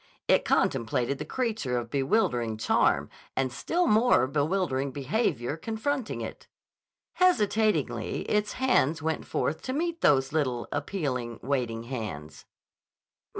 It contemplated the creature of bewildering charm and still more bewildering behavior confronting it. Hesitatingly its hands went forth to meet those little, appealing, waiting hands.